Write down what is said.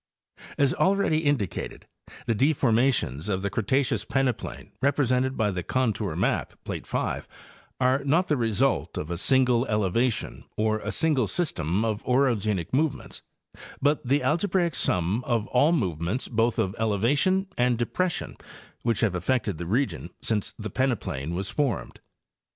a As already indicated, the deformations of the Cretaceous pene plain represented by the contour map (plate 5) are not the result of a single elevation or a single system of orogenic movements, but the algebraic sum of all movements both of elevation and depression which have affected the region since the peneplain was formed.